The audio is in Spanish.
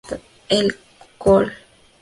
El Col.